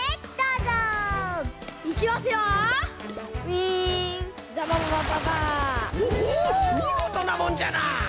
みごとなもんじゃな！